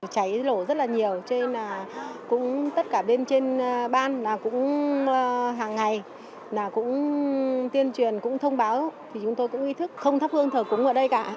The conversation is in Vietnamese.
cháy nổ rất là nhiều tất cả bên trên ban cũng hàng ngày tiên truyền thông báo chúng tôi cũng ý thức không thắp hương thờ cúng ở đây cả